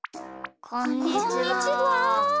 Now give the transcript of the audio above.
こんにちは。